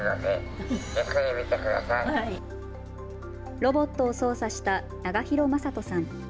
ロボットを操作した永廣柾人さん。